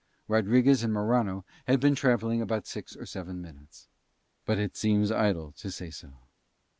Rodriguez and Morano had been travelling about six or seven minutes, but it seems idle to say so.